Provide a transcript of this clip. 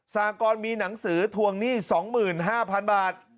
สากรมีหนังสือทวงหนี้๒๕๐๐๐บาท